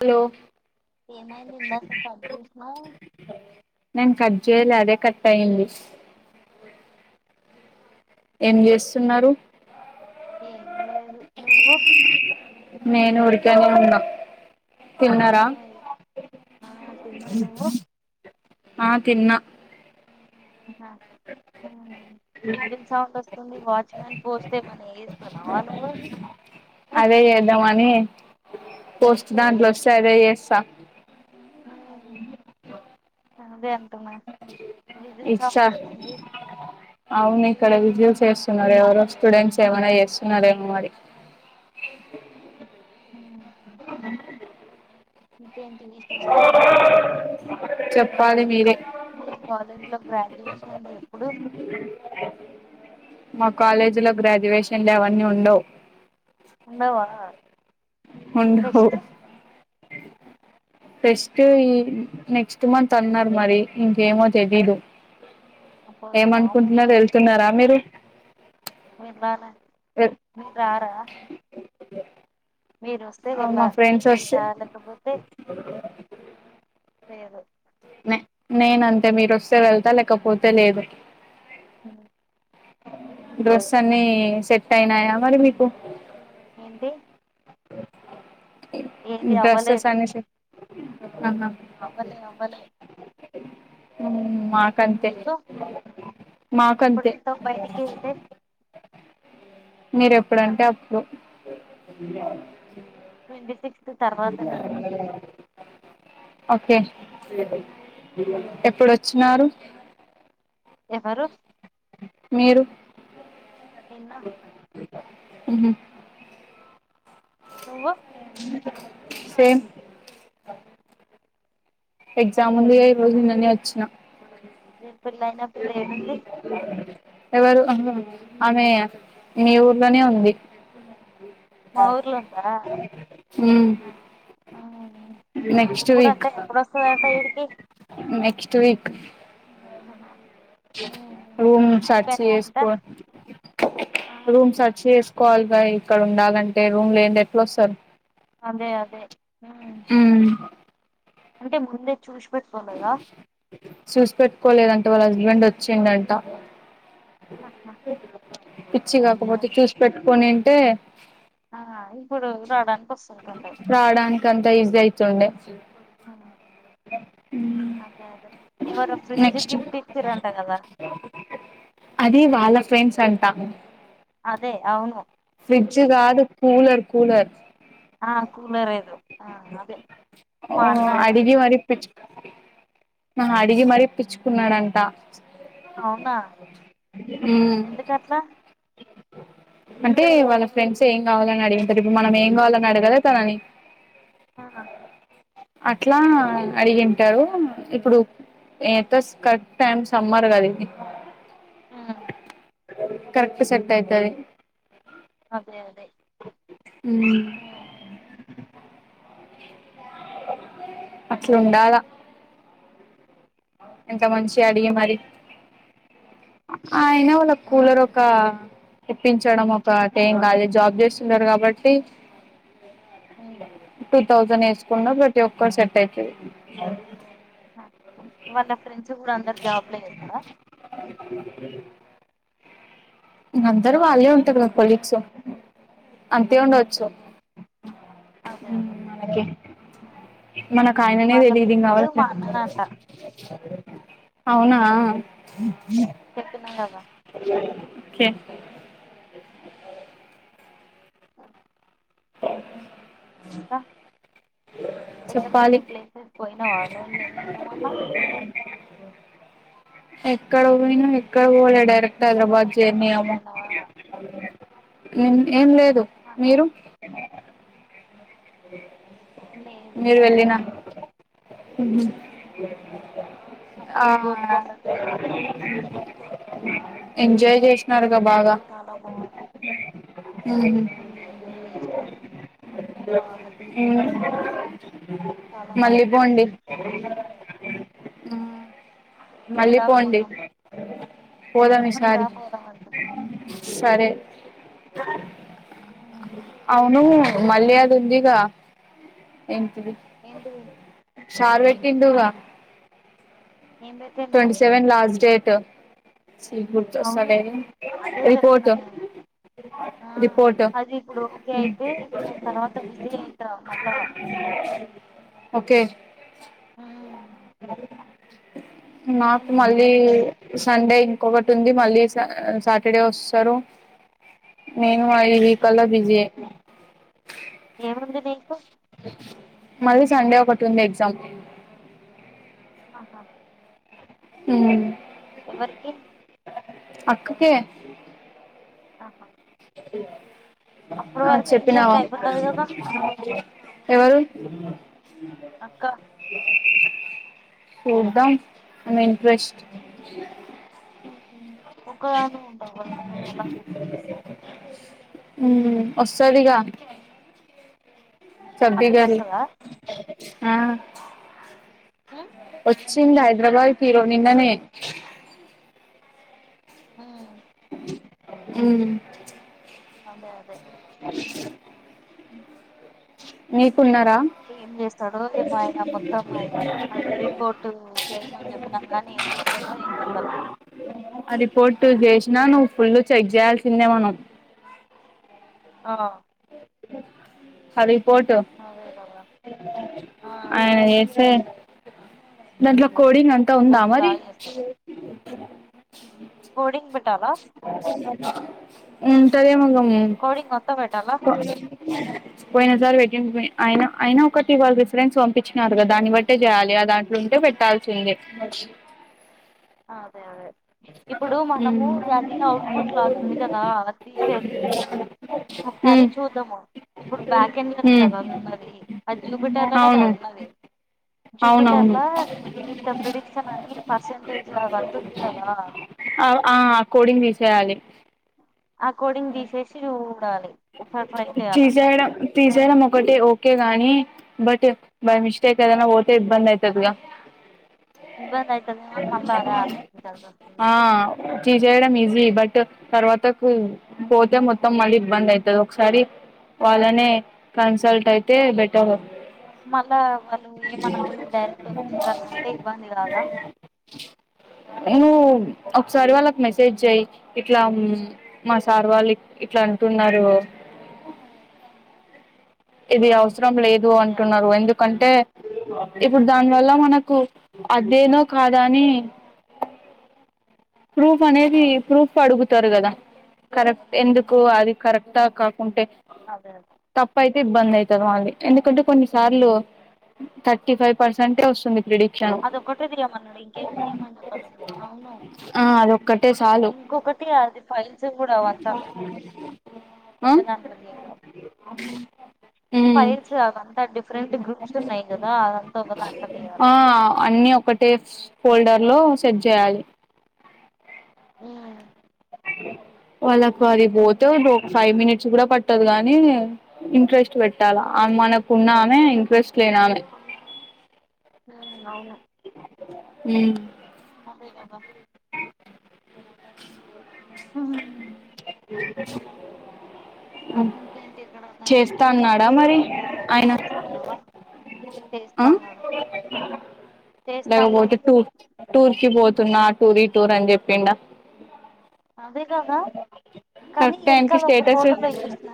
Hello ఏమైంది ఇందాక కటచేశావ్ చేయల అదే కట్ అయింది ఏం చేస్తున్నారు ఏమీ లేదు నువ్వు నేను ఊరకనే ఉన్న ఆ తిన్నా నువ్వు ఆ తిన్న ఆ విజల్ సౌండ్ వస్తుంది వాచ్ మై పోస్తే మన ఏమైనా వేయిస్తారా అదే చేద్దామని పోస్ట్ ఎందుకు దాంట్లో వస్తే అదే చేస్తా [inaudible] అదేఅంటనా విజిల్ సౌండ్ ఇచ్చా వస్తుంది అవును ఇక్కడ విజల్స్ చేస్తున్నారు ఎవరో స్టూడెంట్స్ ఏమైన్నా చేస్తున్నారేమో మరి హ [unintelligible] ఇంకేంటి విశేషాలు చెప్పాలి మీక మీకా మీరే మీ కాలేజీలో గ్రాడ్యుయేషన్ డే ఎప్పుడు మా కాలేజీలో గ్రాడ్యుయేషన్లు అవన్నీ ఉండవు ఉండవా ఉండు హో ఫెస్ట్ [inaudible] ఫెస్ట్ ఈ నెక్స్ట్ మంత్ అన్నార్ ఇంక్ ఏమో తెలిదు పోతున్నావా ఏమనుకుంట్ నర్ వెల్ తున్నారా మీరు రేప్ బా మీర్ రారా [inaudible] మీరు వస్తే వెల్ ల మా ఫ్రెండ్స్ వస్తే వెళ్తా లేకపోతే లేదు నేన్ అంతే మీరు వస్తే వెళ్తా లేకపోతే లేదు హాఁ డ్రస్ అన్ని సెట్ అయినాయా మరి మీకు ఏంటి ఏది హ్మ్ డ్రసేస్ అవ్వలేదు అన్ని సే ఆ హా అవ్ లే అవ్వలే అవ్వలే [inaudible] మాకంతే మీకు మాకంతే ఎప్పుడెల్ తవ్ బయటికి వెళ్తే [inaudible] మీర్ ఎప్పుడంటే up to twenty six [unintelligible] okay ఎప్పుడోచ్చినరూ ఎవరు మీరు నిన్న హుమ్ నువ్వు సేమ్ ఎగ్జామ్ ఉందిగా ఈరోజు నిన్ననే వచ్చినా నీ పెళ్ళైన పిల్ల ఏడుంది ఎవరు ఆహ్ ఆమె మీ ఊర్లోనే ఉంది మా ఊర్లో ఉందా! హుమ్ ఆహా ఎప్పుడంటే ఎప్పుడోస్తదట ఈడికి త్వి క్ ఆహా రూమ్ సర్ చ్ అయిపోయినాయా అంతా చేసుకొన్ ఆ, రూమ్ సెర్ చ్ చేస్ కోవాల్ గా ఇక్కడ ఉండాలంటే రూమ్ లేనింది ఎట్లోస్తారు అదే అదే హ్మ్ అంటే ముందే చూష్ పెట్టుకోలేదా చూస్ పెెట్టుకోలేదంటే వాళ్ళ హస్ బెండ్ వచ్చిండంట ఆహా పిచ్చి అదే కాకపోతే అదే చూసి పెట్టుకొని ఉంటే ఆ ఇప్పుడు రావడానికి వస్తుంటుండే టైజ్ గై [unintelligible] యిచుండే ఆ. అదే అదే ఎవరో ఫ్రిడ్జ్ నెక్స్ట్ గిఫ్ట్ ఇచ్చిరంటా కదా అది వాళ్ళ ఫ్రెండ్స్ అంటా అదే అవున్ ఫ్రిడ్జ్ కాదు కూలర్ కూలర్ ఆ కూలర్ ఏదో ఆ అదే మా అన్న అన్నాడు నాహ అడిగి మరి ఇపి చ్ కున్నాడంట అవునా ఎందుకట్లా అంటే వాళ్ళ ఫ్రెండ్సే ఏం కావాలని అడిగింటారు. ఇప్పుడు మనం ఏం కావాలని అడగలా తనని. ఆ అట్లా, అడిగింటారు. ఇప్పుడు, ఏటోస్ కరెక్ట్ టైమ్ సమ్మర్ గదిది. ఆ కరెక్ట్ సెట్ అయితాది. అదే అదే. మ్ ఉమ్ అట్లుండాల. ఇంత మంచిగా అదే అడిగి కదా మరి, అయినా వాళ్ళ కూలర్ ఉమ్ ఒక తెప్పించడం ఒక్క టేం కాదు. జాబ్ చేస్తున్నారు కాబట్టి, ఉమ్ టూ థౌజండ్ ఏసుకున్నా ప్రతి ఒక్కరు, సెట్ అయితది. ఆ వాళ్ళ ఫ్రెండ్స్ కూడ అందరు జాబ్ లె చేస్తారా? ఇంగ, అందరూ వాళ్ళే ఉమ్ ఉంటారు కద! కొలీగ్స్. అంతే అదే అదే ఉండవచ్చు. అదే అదే. మనకి మనకు ఆయననే వాళ్ళ తెలిదింగ ఫ్రెండ్ ఆవిడెట్ల మా అన్నదంట అవునా! చెప్తున్నా కదా! కె క ఎక్కడికైనా చెప్పాలి ప్లేసెస్ పోయినావ నువ్ నిన్న మొన్న. ఎక్కడ పోయినా ఎక్కడ పోలా. డైరక్ట్ నిన్న మొన్న హైదరాబాద్ జర్నీ ఎక్కడికైనా ఏమో. పోయినావా ఏం ఏం లేద్. ఆహా మీరు? లేదు పోలే. అ అప్పుడు ఆ. గోల్కొండకి వెళ్ళిన అంతే ఎంజాయ్. చేసినారుగా గోల్కొండ బాగా చాలా బాంది. ఫుల్ ఎంజాయ్ చేసినాం మేం చాలా మళ్ళీ మంచిగా పోండి. అనిపించింది నువ్వు మళ్ళీ రా పోండి. పోదాం పోదాం నువ్వు ఈసారి. రా పోదాం అంటున్నా సరే. ఆ అవును, మల్లి అదుందిగా! ఇం ఏంటిది సార్ వెట్టిండుగా ఏం పెట్టిండు ట్వంటీ సెవెన్ లాస్ట్ చేటు అవును అదే చెప్పిన రిపోర్ట్ నేను ఆ రిపోర్ట్ అది ఇప్పుడు ఓకే అయితే, ఇప్పుడు నేను తర్వాత బిజీ అయితా మళ్ళా. ఓకె ఆ నాకు నేను మళ్ళీ, సండే ఇంకొకటి ఉంది మళ్ళీ సా సాటర్డే వస్తారు. మే నువ్వా ఈ కల్ల ఏంటి బిజీ అయిపో ఏముంది దీంట్లో మళ్ళీ సండే ఒకటుంది ఎగ్జామ్. ఆహా మ్ ఎవరికి? అక్కకె. ఆహా అప్పటి ఆ వరకు ఇన్ని ఉంటే చెప్పినావా అయిపోతది కదా ఎవరు అక్క చూద్దాం ఉన్న ఇంట్రెస్ట్ ఒకగానీవే ఉంటావు గదా నువ్వు ఎలాగ మ్మ్ వస్తదిగా ఆ సబ్బి పిల్ల గారు వస్తదా ఆ ఉమ్ వచ్చింది హైదరాబాద్కి ఇరో నిన్ననే మ్మ్ మ్ అదే అదే [unintelligible] అ మీకున్నారా చేస్తాడో ఏమో ఆయన మొత్తం ఆయ- అది రిపోర్ట్ చేయమని చెప్పినాం గానీ ఏం చేస్తాడో ఏం కథనో [unintelligible] ఆ రిపోర్ట్ జేష్ నా నువ్వు ఫుల్లు చెగ్ చేయాల్సిందే మనం ఆ ఆ రిపోర్ట్ అదే కదా ఆ ఆయన చేసే దాంట్లో కోడింగ్ అంతా ఉందా బొంగులు మరి ఓడింగ్ బ ఉంటదేమో గా మ్ కోడింగ్ మొత్తం పెట్టాలా పోయిన సారి బేటింటిమి అయిన అయిన ఒకటి ఇవాళ్ళ రిఫరెన్స్ పంపించినారు గా దాన్ని బట్టే చేయాలి ఆ దాంట్లో ఉంటే పెట్టాల్సిందె అదే అదే ఇప్పుడు ఉమ్ మనము అది అవుట్ పుట్ లాగుంది గదా అది దీసేది ఒకసారి ఉమ్ చూద్దాము ఇప్పుడు బ్యాకెండ్ లోనే ఉమ్ గదా అది ఉన్నది ఆ జూపిటర్ లోనే గద అవును ఉన్నది జూపిటర్ల అవునవును ఇంత ప్రిడిక్షనని పర్సెంటేజ్ ఆ ఆ కోడింగ్ తీసేయాలి. ఆ కోడింగ్ తీసేసి జుడాలి తీసేయడం తీసేయడం ఒకటే ఓకే గాని బట్ ఆ, బై మిస్టేక్ ఏదన్నా బొతే ఇబందయితది గా ఇబ్బంది అవుతుందేమో అని మళ్ళీ అదే ఆలోచించాల్సి ఆ వస్తుంది తీసేయడం ఈజీ బట్ తర్వాత కు పోతే మొత్తం మళ్ళీ ఇబ్బంది అయి ఒకసారి వాళ్ళనే కన్సల్ట్ అయితే బెటర్ మళ్ళా వాళ్ళు ఏమనకుండా డైరెక్ట్ వచ్చిండ్రు ఆనంటే ఇబ్బంది గాదా మ్మ్ ఒకసారి వాళ్ళకి మెసేజ్ అయ్యి ఇట్లా మా సార్ వాళ్ళు ఇట్లా అంటున్నారు. ఇది అవు చడం లేదు అదే అదే అంటున్నారు ఎందుకంటే ఇప్పుడు దాని వల్ల చేయాలి అదే మనకు అదేనో కాదని ప్రూఫ్ అనేది ప్రూఫ్ అడుగుతారు గదా కరెక్ట్ ఎందుకు అది కరెక్ట్ అంతా కాకుంటే అదే తప్ప అయి ఇబ్బంది అయితది మళ్ళీ ఎందుకంటే కొన్నిసార్లు థర్టీ ఫైవ్ పర్సెంటే వస్తుంది క్రెడిట్ అదొక్కటే దియమన్నాడు ఇంకేం దియ్యమని చెప్పాలే అవును ఆ అదొక్కటే చాలు ఇంకొకటి అది ఫైల్స్ కూడా వంత ఓకా ధంత్లో ఎన్ అ ఫైల్స్ అదంతా డిఫరెంట్ గ్రూప్స్ ఉన్నాయి కదా అదంతా ఒకద అంట వయాల ఫ ఫోల్డర్ లో సెట్ చేయాలి వాళ్ళకు అది అదే పోతే ఒక ఫైవ్ మినిట్స్ కూడా పట్టదు కాగాని ఇంట్రెస్ట్ పెట్ట మనాకు ఉన్నామే ఇంట్రెస్ట్ లేనమే అవును ఉమ్ అధే కథ హు అ ఇంకేంటి ఎక్కడన్నా అన్నాడా ఇంటర్న్షిప్స్ మరి ఏమన్నా ఆయన చేస్తున్నావా ఆ చేస్తాన్నాడు లే బతే చేస్తాన్నాడు టూ తూర్కి బోత్ వస్తున్నా టూర్ టూర్ అని చెప్పిడా అధే కథ కానీ కరెక్ట్ టైం కి వెనకాల ఒక స్టేటస్ ఫోటోలో చూసిన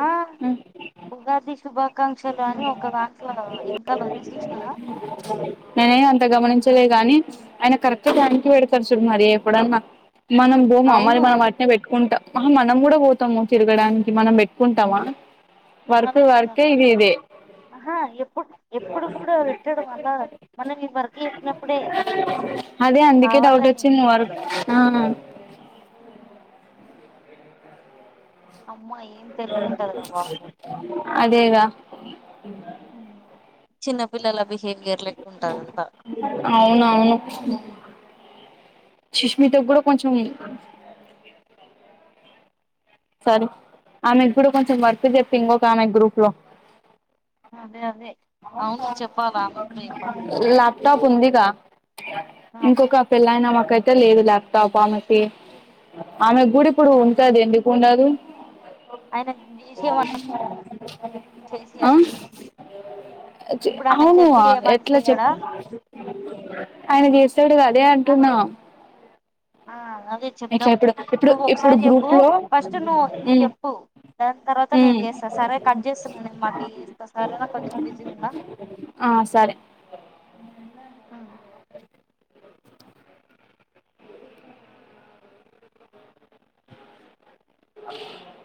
ఆ ఉగాది శుభా ఉంది చూసినావా నేనే అంత గమనించలేగా కానీ ఆయన కరెక్ట్గా దానికి పెడతారు చు మరి ఎప్పుడ మనం బోమా మరి అవును మనం వాటినేట్ ఉంటా మనం కూడా పోతాము తిరగడానికి మనం పెట్టుకుంటామా వర్క్ అదే కదా వర్క్ ఇది ఇదే ఆహా ఎప్పుడు ఎప్పుడు కూడా పెట్టడం అలా మనం ఈ వర్క్ చెప్పినప్పుడే అదే అందుకే డౌట్ కావాలని వచ్చింది నువ వరకు అమ్మా ఏం తెలివి ఉంటది రా బాబు అధేగా చిన్నపిల్లల బిహేవ్ర్లే అవును అవును సీష్మిత కూడా కూడా కొంచం సరే ఆమెకి కూడా కొంచెం వర్క్ చెప ఇంకొక ఆమె గ్రూప్ లో అదే అదే అవును చెప్పాలి ఆమెకు కూడా చెప్పాలి ల్యాప్టాప్ ఉందిగా అదే ఇంకొక పెళ్లయినా మాకైతే లేదు ల్యాప్‌టాప్ ఆమె ఆమె గుడి ఇప్పుడు ఉంటది ఎందుకు ఉండదు ఆయన చేసేయమంటే ఆ చేసియాలి ఇప్పుడు ఆమెకు అవును చెప్పి చేయమంటే అట్లా చేయడా చెప్పు అయన చెస్టు చూడు అధే అంటున్న [inaudible] ఆ అదే చెప్దం ఇప్పుడు నువ్వు ఇప్పుడు ఒకసారి చెప్పు గ్రూప్ లో ఫస్ట్ నువ్ నువ్వు ఉమ్ చెప్పు దాని తర్వాత మొత్తం ఉమ్ నేన్ చేస్తా సరే కట్ చేస్తున్నాను నేను మళ్ళీ చేస్తా సరేనా కొంచెం బిజీగా ఉన్నా అ సరే అవు [inaudible]